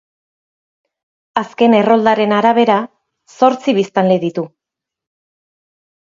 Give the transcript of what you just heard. Azken erroldaren arabera zortzi biztanle ditu.